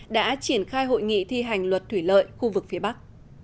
đã triển khai hội nghị thi hành luật thủy lợi khu vực phía bắc